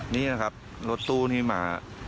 นี่นะครับรถตู้นี้มา